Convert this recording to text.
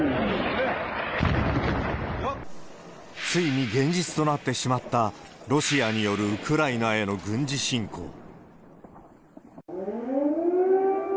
ついに現実となってしまったロシアによるウクライナへの軍事侵攻。